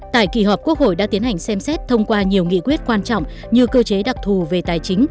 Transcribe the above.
tại kỳ họp quốc hội đã tiến hành xem xét thông qua nhiều nghị quyết quan trọng như cơ chế đặc thù về tài chính